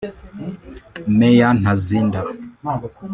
Meya Ntazinda